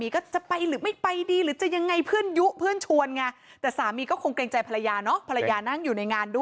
เกรงใจเมียอยู่